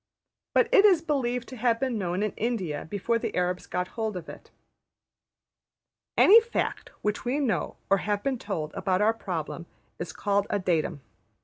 But it is believed to have been known in India before the Arabs got hold of it. Any fact which we know or have been told about our problem is called a datum.